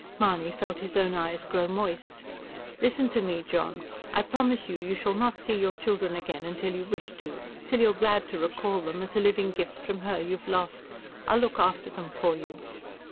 Mahony felt his own eyes grow moist. "Listen to me, John. I promise you, you shall not see your children again until you wish to till you're glad to recall them, as a living gift from her you have lost. I'll look after them for you."